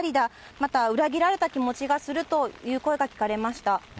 また、裏切られた気持ちがするという声が聞かれました。